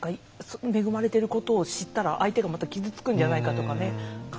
恵まれてることを知ったら相手がまた傷つくんじゃないかとかね考えちゃいますもんね。